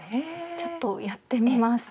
ちょっとやってみます。